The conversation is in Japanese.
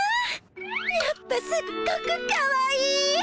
やっぱすっごくかわいい！